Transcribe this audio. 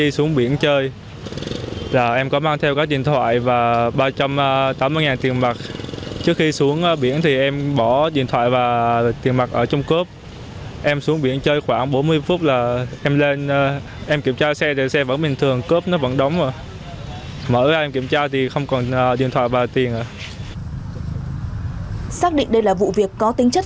xác định đây là vụ việc có tính chất phức